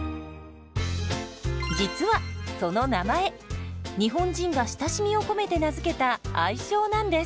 実はその名前日本人が親しみを込めて名付けた愛称なんです。